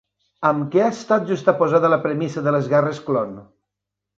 Amb què ha estat juxtaposada la premissa de Les guerres clon?